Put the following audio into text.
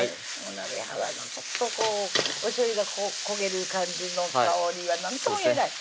鍋肌のちょっとこうおしょうゆが焦げる感じの香りは何とも言えない